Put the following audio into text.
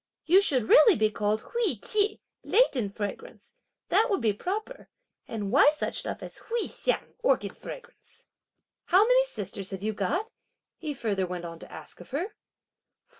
"You should really be called Hui Ch'i, (latent fragrance), that would be proper; and why such stuff as Hui Hsiang, (orchid fragrance)?" "How many sisters have you got?" he further went on to ask of her.